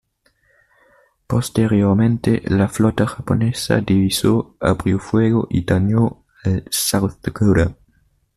Posteriormente, la flota japonesa divisó, abrió fuego y dañó al "South Dakota".